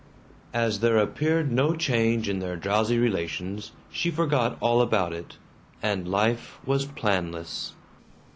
As there appeared no change in their drowsy relations, she forgot all about it, and life was planless.